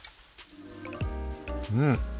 うん！